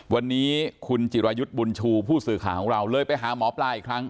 วันนี้คุณจิรายุทธ์บุญชูผู้สื่อข่าวของเราเลยไปหาหมอปลาอีกครั้ง